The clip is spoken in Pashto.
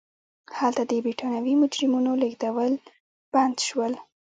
هلته د برېټانوي مجرمینو لېږدېدل بند شول.